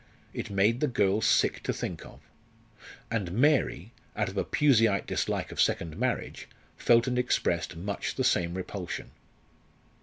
It made the girl sick to think of. And Mary, out of a Puseyite dislike of second marriage, felt and expressed much the same repulsion.